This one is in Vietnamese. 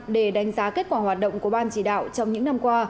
để đánh giá kết quả hoạt động của ban chỉ đạo trong những năm qua